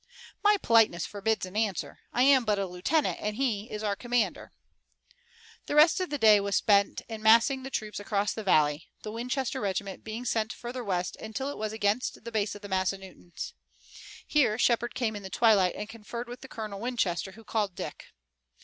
"My politeness forbids an answer. I am but a lieutenant and he is our commander." The rest of the day was spent in massing the troops across the valley, the Winchester regiment being sent further west until it was against the base of the Massanuttons. Here Shepard came in the twilight and conferred with Colonel Winchester, who called Dick.